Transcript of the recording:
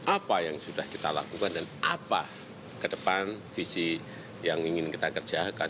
apa yang sudah kita lakukan dan apa ke depan visi yang ingin kita kerjakan